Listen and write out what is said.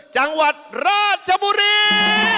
จังหวัดราชบุรี